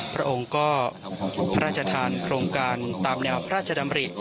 พระองค์ก็พระราชทานโครงการตามแนวพระราชดำริ